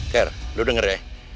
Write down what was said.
ker lo denger ya